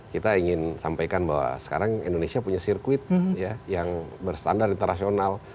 kita ingin sampaikan bahwa sekarang indonesia punya sirkuit yang berstandar internasional